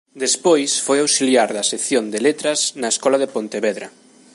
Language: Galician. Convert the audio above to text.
Despois foi auxiliar da Sección de Letras na Escola de Pontevedra.